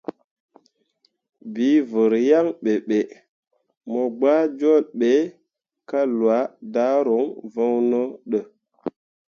Bii vər yaŋ ɓe be, mo gbah jol ɓe ka lwa daruŋ voŋno də.